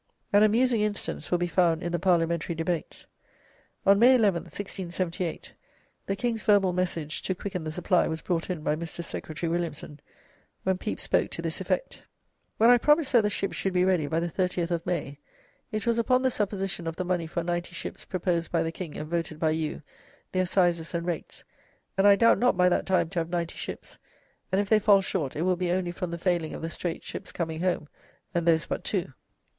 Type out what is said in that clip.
An amusing instance will be found in the Parliamentary Debates. On May 11th, 1678, the King's verbal message to quicken the supply was brought in by Mr. Secretary Williamson, when Pepys spoke to this effect: "When I promised that the ships should be ready by the 30th of May, it was upon the supposition of the money for 90 ships proposed by the King and voted by you, their sizes and rates, and I doubt not by that time to have 90 ships, and if they fall short it will be only from the failing of the Streights ships coming home and those but two.....